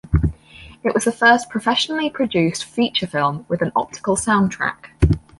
It was the first professionally produced feature film with an optical sound track.